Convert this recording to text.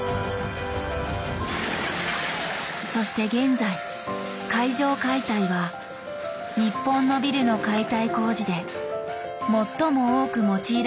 そして現在階上解体は日本のビルの解体工事で最も多く用いられる工法になったのです